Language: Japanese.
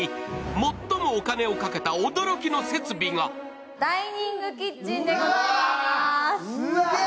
最もお金をかけた驚きの設備がダイニングキッチンでございます。